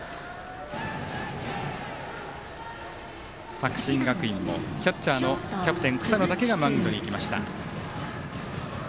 作新学院も、キャッチャーのキャプテン、草野だけがマウンドにいきました。